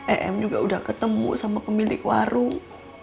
em juga udah ketemu sama pemilik warung